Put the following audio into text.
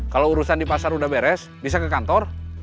kalau urusan di pasar udah beres bisa ke kantor